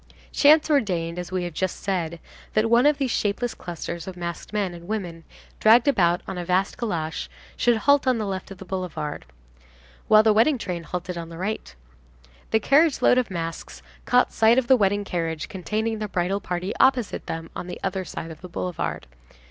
Chance ordained, as we have just said, that one of these shapeless clusters of masked men and women, dragged about on a vast calash, should halt on the left of the boulevard, while the wedding train halted on the right. The carriage load of masks caught sight of the wedding carriage containing the bridal party opposite them on the other side of the boulevard.